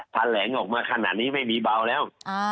แถลงออกมาขนาดนี้ไม่มีเบาแล้ว